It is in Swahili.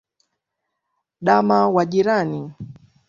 Dama wa jirani.